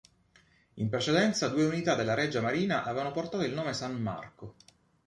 In precedenza due unità della Regia Marina aveva portato il nome "San Marco".